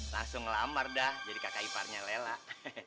langsung ngelamar dah jadi kakak iparnya lelah